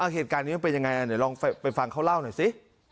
เหตุการณ์นี้มันเป็นยังไงเดี๋ยวลองไปฟังเขาเล่าหน่อยสิ